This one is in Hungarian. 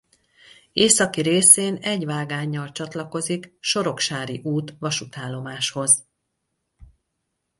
Északi részén egy vágánnyal csatlakozik Soroksári út vasútállomáshoz.